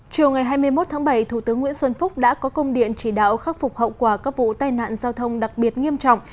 chiều ngày hai mươi một tháng bảy thủ tướng nguyễn xuân phúc đã có công điện chỉ đạo khắc phục hậu quả các vụ tai nạn giao thông đặc biệt nghiêm trọng